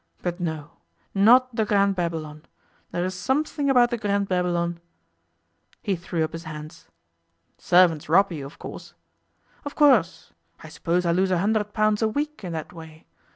But no. Not the Grand Babylon. There is something about the Grand Babylon ' He threw up his hands. 'Servants rob you, of course.' 'Of course. I suppose I lose a hundred pounds a week in that way.